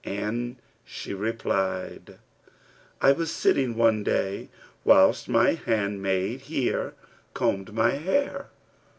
and she replied, 'I was sitting one day whilst my handmaid here combed my hair.